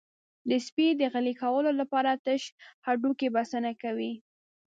د سپي د غلي کولو لپاره تش هډوکی بسنه کوي.